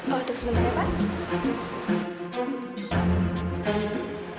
oh untuk sebentar ya pak